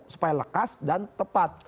supaya lekas dan tepat